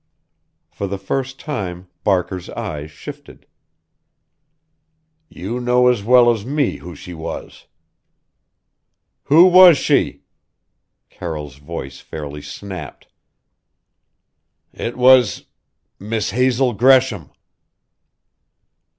For the first time Barker's eyes shifted. "You know as well as me who she was?" "Who was she?" Carroll's voice fairly snapped. "It was Miss Hazel Gresham!"